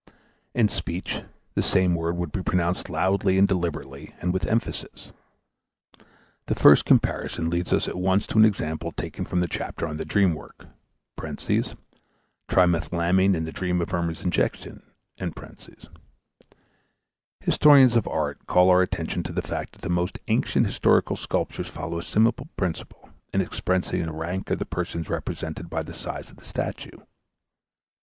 In speech the same word would be pronounced loudly and deliberately and with emphasis. The first comparison leads us at once to an example taken from the chapter on "The Dream Work" (trimethylamine in the dream of Irma's injection). Historians of art call our attention to the fact that the most ancient historical sculptures follow a similar principle in expressing the rank of the persons represented by the size of the statue.